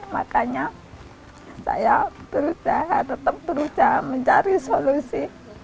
makanya saya berusaha tetap berusaha mencari solusi